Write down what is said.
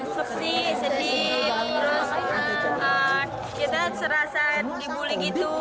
sesi sedih kita serasa dibuli gitu